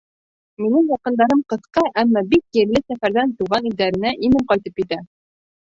Минең яҡындарым ҡыҫҡа, әммә бик елле сәфәрҙән тыуған илдәренә имен ҡайтып етә!